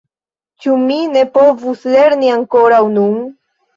Ĉu mi ne povus lerni ankoraŭ nun?